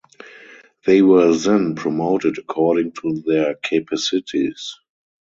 They were then promoted according to their capacities.